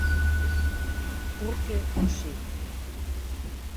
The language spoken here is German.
Burke Roche.